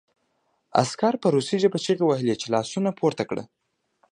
عسکر په روسي ژبه چیغې وهلې چې لاسونه پورته کړه